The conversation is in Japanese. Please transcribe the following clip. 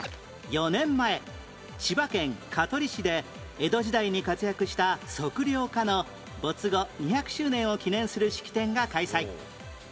４年前千葉県香取市で江戸時代に活躍した測量家の没後２００周年を記念する式典が開催